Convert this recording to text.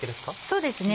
そうですね。